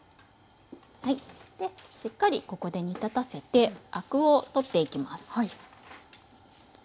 しっかりここで煮立たせてアクを取っていきます。